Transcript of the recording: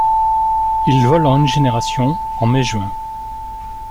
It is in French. Il vole en une génération en mai-juin.